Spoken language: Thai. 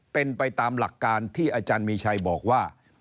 เป็นไปตามหลักการที่อาจารย์มีชัยบอกว่า